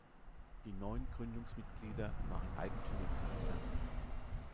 Die neun Gründungsmitglieder waren Eigentümer des Konzerns.